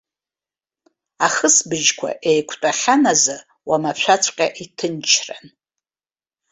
Ахысбыжьқәа еиқәтәахьан азы уамашәаҵәҟьа иҭынчран.